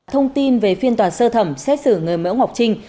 thông tin về phiên tòa sơ thẩm xét xử người mẫu ngọc trinh